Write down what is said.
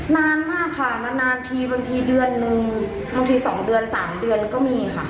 นานมากค่ะนานทีบางทีเดือนหนึ่งบางที๒เดือน๓เดือนก็มีค่ะ